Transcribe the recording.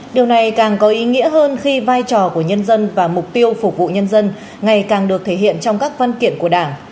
điều này càng có ý nghĩa hơn khi vai trò của nhân dân và mục tiêu phục vụ nhân dân ngày càng được thể hiện trong các văn kiện của đảng